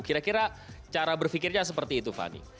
kira kira cara berfikirnya seperti itu fanny